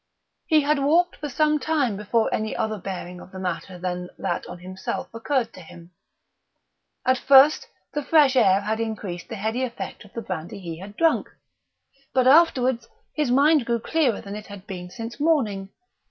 He had walked for some time before any other bearing of the matter than that on himself occurred to him. At first, the fresh air had increased the heady effect of the brandy he had drunk; but afterwards his mind grew clearer than it had been since morning.